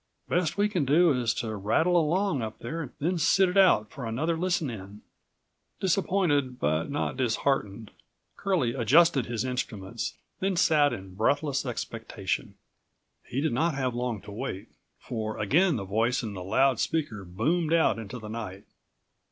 Best we can do is to rattle along up there, then sit it out for another listen in." Disappointed but not disheartened, Curlie adjusted his instruments, then sat in breathless expectation. He did not have long to wait, for again the voice in the loud speaker boomed out into the night.